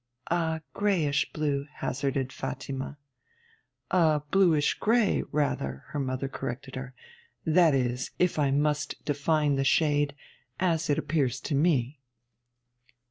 'A greyish blue,' hazarded Fatima. 'A bluish grey, rather,' her mother corrected her: 'that is, if I must define the shade as it appears to me.'